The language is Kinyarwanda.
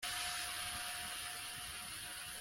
biri inyuma yingengabihe